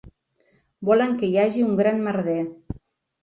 Volen que hi hagi un gran merder.